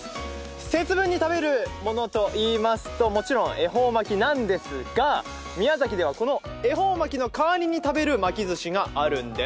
節分に食べるものといいますと、もちろん恵方巻なんですが、宮崎ではこの恵方巻きのかわりに食べる巻きずしがあるんです。